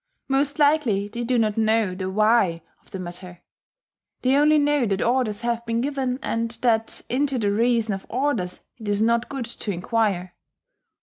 Most likely they do not know the "why" of the matter: they only know that orders have been given, and that into the reason of orders it is not good to enquire.